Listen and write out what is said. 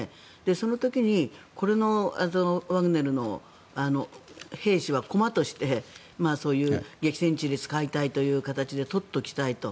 その時にワグネルの兵士は駒としてそういう激戦地で使いたいという形で取っておきたいと。